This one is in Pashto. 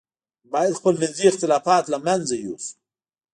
باید خپل منځي اختلافات له منځه یوسو.